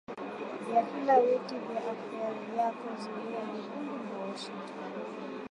vya kila wiki vya Afya Yako, Zulia Jekundu na Washington